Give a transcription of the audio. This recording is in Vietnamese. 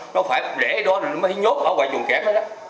nó phải để ở đó nó mới nhốt ở ngoài chuồng kém